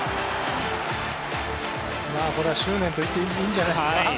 これは執念といっていいんじゃないですか。